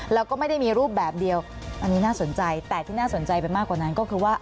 แล้วก็ไม่ได้มีรูปแบบเดียวอันนี้น่าสนใจแต่ที่น่าสนใจไปมากกว่านั้นก็คือว่า